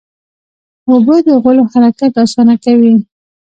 اوبه د غولو حرکت اسانه کوي.